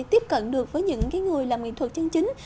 tiếp cận được với những người làm nghệ thuật chân chính